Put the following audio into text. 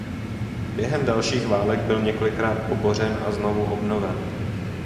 Během dalších válek byl několikrát pobořen a znovu obnoven.